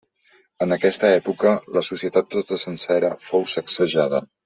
En aquesta època, la societat tota sencera fou sacsejada.